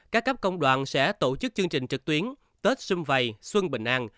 các cấp công đoàn sẽ tổ chức chương trình trực tuyến tết xung vầy xuân bình an